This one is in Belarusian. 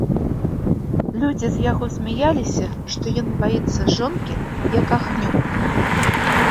Людзі з яго смяяліся, што ён баіцца жонкі, як агню.